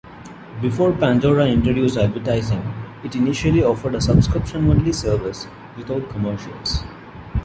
Before Pandora introduced advertising it initially offered a subscription-only service without commercials.